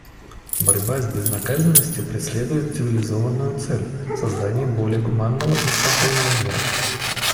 Борьба с безнаказанностью преследует цивилизованную цель — создание более гуманного и спокойного мира.